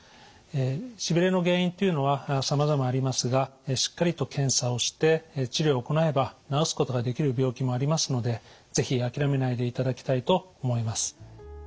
しびれの原因というのはさまざまありますがしっかりと検査をして治療を行えば治すことができる病気もありますので是非諦めないでいただきたいと思います。